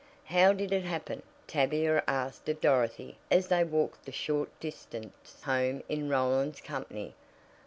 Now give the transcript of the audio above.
"How ever did it happen?" Tavia asked of Dorothy as they walked the short distance home in Roland's company.